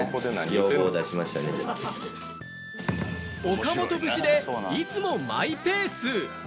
岡本節でいつもマイペース。